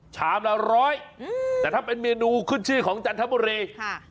ชามละร้อยแต่ถ้าเป็นเมนูขึ้นชื่อของจันทร์ธรรมเรย์